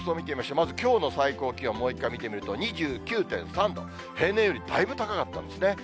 まずきょうの最高気温、もう一回見てみると２９．３度、平年よりだいぶ高かったんですね。